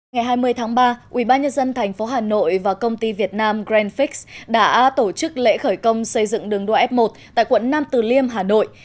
ngày hai mươi tháng ba ubnd tp hà nội và công ty việt nam grand fix đã tổ chức lễ khởi công xây dựng đường đua f một tại quận nam từ liêm hà nội